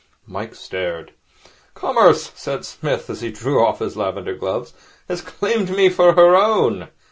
Mike stared. 'Commerce,' said Psmith, as he drew off his lavender gloves, 'has claimed me for her own.